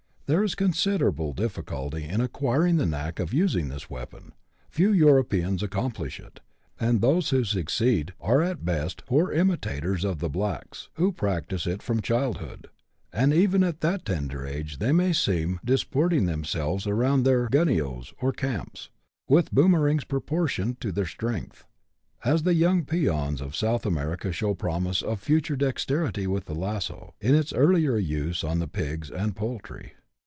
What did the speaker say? There is considerable difficulty in acquiring the knack of using this weapon ; few Europeans accomplish it, and those who suc ceed are at best poor imitators of the blacks, who practise it from childhood ; and even at that tender age they may be seen disport ing themselves around their " gunyios," or camps, with boomer ings proportioned to their strength ; as the young peons of South America show promise of future dexterity with the lasso, in its earlier use on the pigs and poultry.